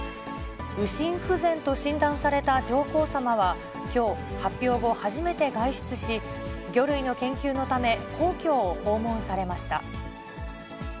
右心不全と診断された上皇さまは、きょう、発表後初めて外出し、魚類の研究のため、皇居を訪問されました。